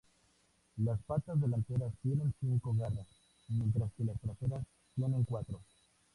Las patas delanteras tienen cinco garras, mientras que las traseras tienen cuatro.